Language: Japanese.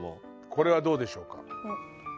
これはどうでしょうか？